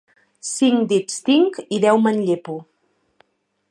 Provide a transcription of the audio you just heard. Cinc dits tinc i deu me'n llepo.